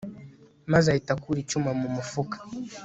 maze ahita akura icyuma mu mufuka